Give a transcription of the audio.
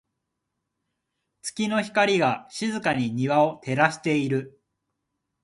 月の光が、静かに庭を照らしている。